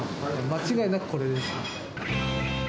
間違いなくこれです。